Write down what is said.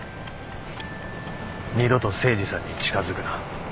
二度と誠司さんに近づくな。